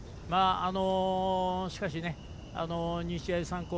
しかし、日大三高